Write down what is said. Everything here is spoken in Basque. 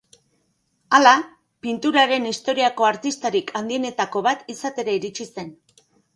Hala, pinturaren historiako artistarik handienetako bat izatera iritsi zen.